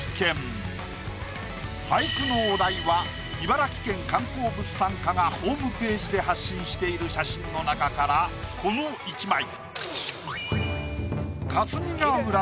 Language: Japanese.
俳句のお題は茨城県観光物産課がホームページで発信している写真の中からこの１枚。